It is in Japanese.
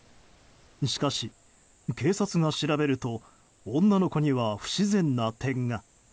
しかし、警察が調べると女の子には不自然な点が。